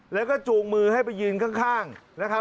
แล้วก็จูงมือให้ไปยืนข้างนะครับ